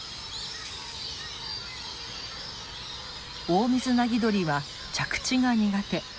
オオミズナギドリは着地が苦手。